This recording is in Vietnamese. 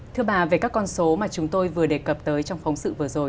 thưa bà về các con số mà chúng tôi vừa đề cập tới trong phóng sự vừa rồi